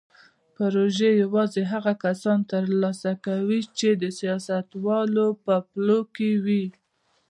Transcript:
پروژې یوازې هغه کسان ترلاسه کوي چې د سیاستوالو په پلو کې وي.